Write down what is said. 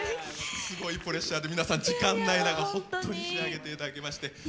すごいプレッシャーでみんな、時間ない中で仕上げていただきまして。